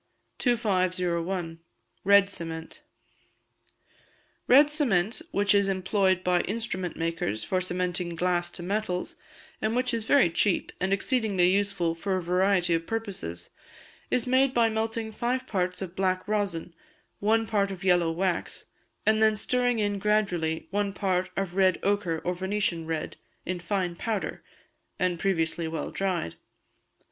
2501. Red Cement . Red Cement which is employed by instrument makers for cementing glass to metals, and which is very cheap, and exceedingly useful for a variety of purposes, is made by melting five parts of black rosin, one part of yellow wax, and then stirring in gradually one part of red ochre or Venetian red, in fine powder, and previously well dried.